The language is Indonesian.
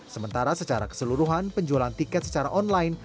sementara secara keseluruhan penjualan tiket secara online